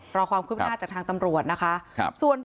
เพราะความคุ้มหน้าจากทางตำรวจนะคะครับส่วน